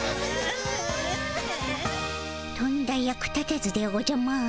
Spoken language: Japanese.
とんだ役立たずでおじゃマーン。